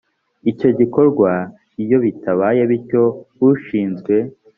icyo gikorwa iyo bitabaye bityo ushinzwe